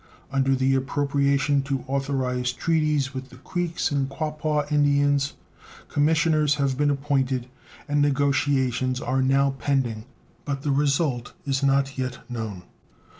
Under the appropriation to authorize treaties with the Creeks and Quaupaw Indians commissioners have been appointed and negotiations are now pending, but the result is not yet known.